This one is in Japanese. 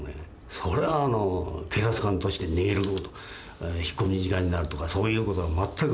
それはあの警察官として逃げる引っ込み思案になるとかそういう事は全く。